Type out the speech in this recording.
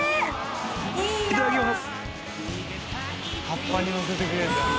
いただきます。